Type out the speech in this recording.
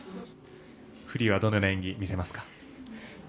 フリーはどのような演技を見せますか？